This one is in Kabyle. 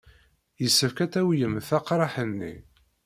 Yessefk ad tawyemt aqraḥ-nni.